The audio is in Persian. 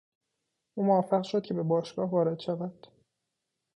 او موفق شد که به باشگاه وارد شود.